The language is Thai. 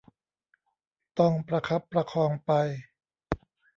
ต้องประคับประคองไป